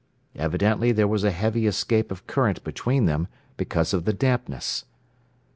Evidently there was a heavy escape of current between them, because of the dampness.